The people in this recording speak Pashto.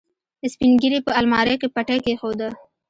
سپينږيري په المارۍ کې پټۍ کېښوده.